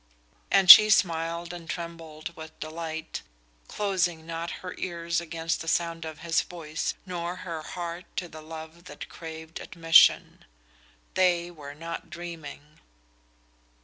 And she smiled and trembled with delight, closing not her ears against the sound of his voice nor her heart to the love that craved admission. They were not dreaming.